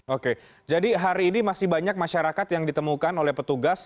oke jadi hari ini masih banyak masyarakat yang ditemukan oleh petugas